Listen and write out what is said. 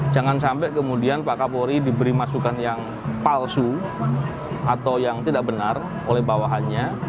jangan sampai kemudian pak kapolri diberi masukan yang palsu atau yang tidak benar oleh bawahannya